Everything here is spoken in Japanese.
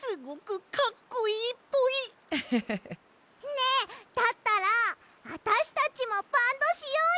ねえだったらあたしたちもバンドしようよ！